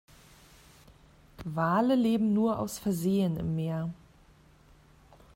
Wale leben nur aus Versehen im Meer.